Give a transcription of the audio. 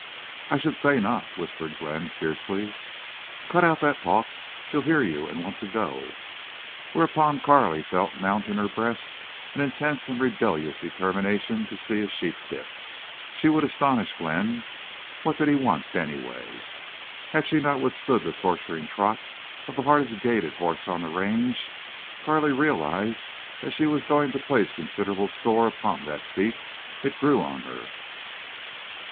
"I should say not!" whispered Glenn, fiercely. "Cut out that talk. She'll hear you and want to go." Whereupon Carley felt mount in her breast an intense and rebellious determination to see a sheep dip. She would astonish Glenn. What did he want, anyway? Had she not withstood the torturing trot of the hardest gaited horse on the range? Carley realized she was going to place considerable store upon that feat. It grew on her.